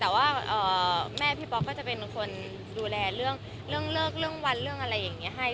แต่ว่าแม่พี่ป๊อกก็จะเป็นคนดูแลเรื่องเลิกเรื่องวันเรื่องอะไรอย่างนี้ให้